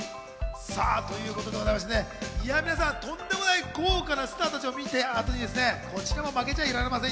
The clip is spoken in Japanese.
皆さん、とんでもない豪華なスターたちを見て、こちらも負けちゃいられません。